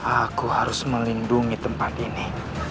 aku harus melindungi tempat ini